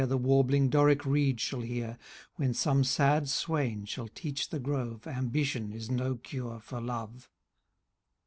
The warbling Doric reed shall hear. When some sad swain shall teach the grove. Ambition is no cure for love